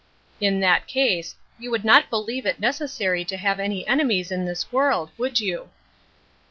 " In that case, you would not believe it neces sary to have any enemies in this world, would fOU?"